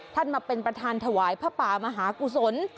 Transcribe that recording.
ท่านมาเป็นประธานถวายพระป่ามหากุศล